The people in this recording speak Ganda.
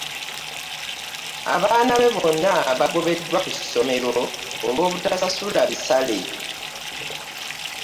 Abaana be bonna bagobeddwa ku ssomero olwo butasasula bisale.